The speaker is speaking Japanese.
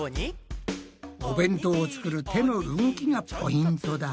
お弁当を作る手の動きがポイントだ。